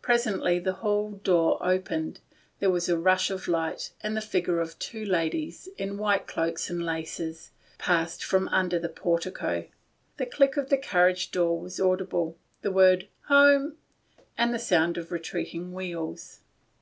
Presently the hall door opened, there was a rush of light, and the figures of two ladies, in white cloaks and laces, passed from under the portico. The click of the carriage door was audible, the word " Home !" and the sound of retreating wheels.